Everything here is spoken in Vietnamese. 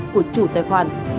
của chủ tài khoản